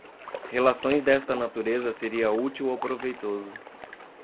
relações desta natureza seria útil ou proveitoso